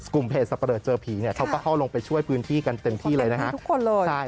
กลุ่มเพจสับเปลือเจอผีเขาก็เข้าลงไปช่วยพื้นที่กันเต็มที่เลย